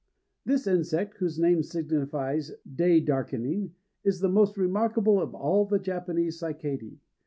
THIS insect, whose name signifies "day darkening," is the most remarkable of all the Japanese cicadæ.